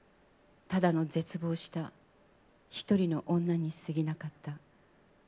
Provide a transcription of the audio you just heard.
ただの絶望した一人の女にすぎなかった。